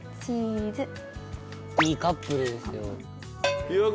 「いいカップルですよ」